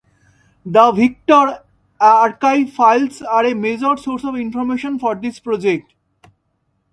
The Victor archive files are a major source of information for this project.